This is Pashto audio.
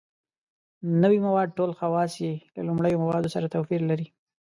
نوي مواد ټول خواص یې له لومړنیو موادو سره توپیر لري.